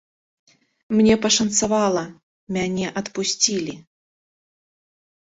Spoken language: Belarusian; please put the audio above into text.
Мне пашанцавала, мяне адпусцілі.